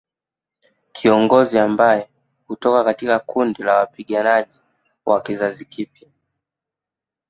Kiongozi ambaye hutoka katika kundi la wapiganaji wa kizazi kipya